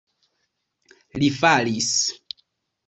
Li falis.